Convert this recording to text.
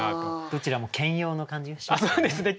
どちらも兼用の感じがしますね。